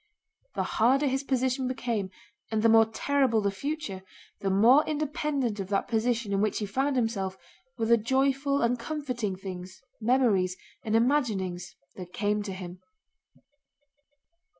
The harder his position became and the more terrible the future, the more independent of that position in which he found himself were the joyful and comforting thoughts, memories, and imaginings that came to him.